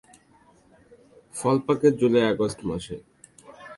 ফল পাকে জুলাই-আগস্টে মাসে।